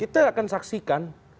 kita akan saksikan